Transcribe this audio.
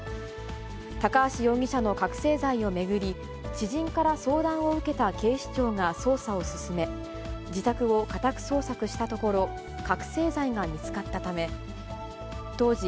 高橋容疑者の覚醒剤を巡り、知人から相談を受けた警視庁が捜査を進め、自宅を家宅捜索したところ、覚醒剤が見つかったため、当時、